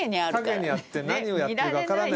陰にあってね何をやってるかわからない。